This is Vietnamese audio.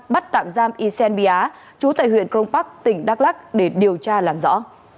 bắt tạm giam ysen bia chú tại huyện crong park tỉnh đắk lắc để điều tra làm rõ